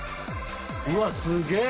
うわ、すげえ。